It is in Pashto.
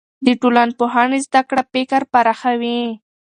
د ټولنپوهنې زده کړه فکر پراخوي.